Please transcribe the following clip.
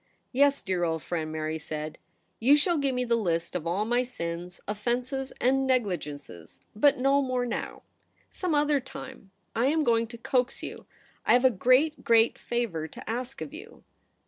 * Yes, dear old friend,' Mary said ;' you shall give me the list of all my sins, offences, and negligences — but no more now. Some other time. I am going to coax you. I have a great, great favour to ask of you.